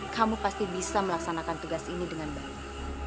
kamu pasti bisa melaksanakan tugas ini dengan baik